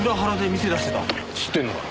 知ってんのか？